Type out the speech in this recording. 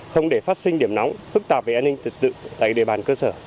không để phát sinh điểm nóng phức tạp về an ninh tự tự tại địa bàn cơ sở